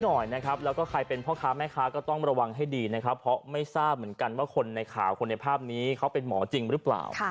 หน่อยนะครับแล้วก็ใครเป็นพ่อค้าแม่ค้าก็ต้องระวังให้ดีนะครับเพราะไม่ทราบเหมือนกันว่าคนในข่าวคนในภาพนี้เขาเป็นหมอจริงหรือเปล่า